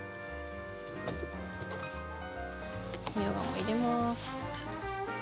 みょうがも入れます。